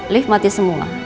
lift mati semua